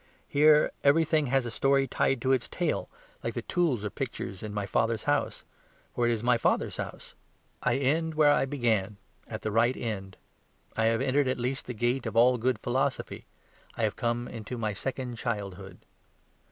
Here everything has a story tied to its tail, like the tools or pictures in my father's house; for it is my father's house. I end where I began at the right end. I have entered at last the gate of all good philosophy. I have come into my second childhood.